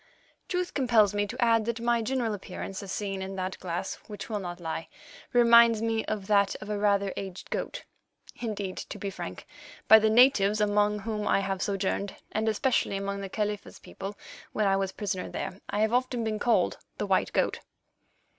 Truth compels me to add that my general appearance, as seen in that glass which will not lie, reminds me of that of a rather aged goat; indeed, to be frank, by the natives among whom I have sojourned, and especially among the Khalifa's people when I was a prisoner there, I have often been called the White Goat.